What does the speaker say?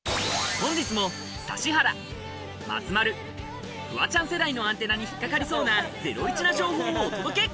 本日も指原、松丸、フワちゃん世代のアンテナに引っ掛かりそうなゼロイチな情報をお届け！